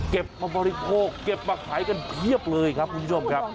มาบริโภคเก็บมาขายกันเพียบเลยครับคุณผู้ชมครับ